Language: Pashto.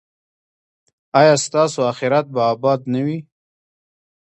ایا ستاسو اخرت به اباد نه وي؟